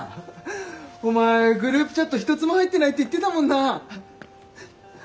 お前グループチャット一つも入ってないって言ってたもんな。